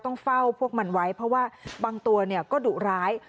ต้องเฝ้าพวกมันไว้เพราะว่าบางตัวก็ดุร้าย